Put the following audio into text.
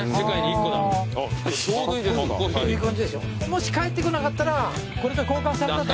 もし帰ってこなかったらこれと交換されたと思って。